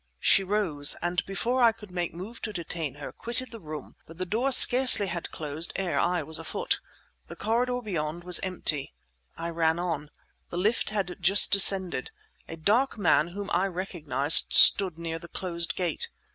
She rose, and before I could make move to detain her, quitted the room; but the door scarcely had closed ere I was afoot. The corridor beyond was empty. I ran on. The lift had just descended. A dark man whom I recognized stood near the closed gate.